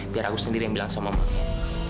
biar aku sendiri yang bilang sama mamanya